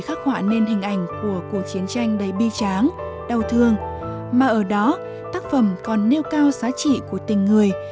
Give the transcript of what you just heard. khắc họa nên hình ảnh của cuộc chiến tranh đầy bi tráng đau thương mà ở đó tác phẩm còn nêu cao giá trị của tình người